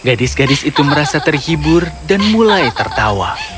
gadis gadis itu merasa terhibur dan mulai tertawa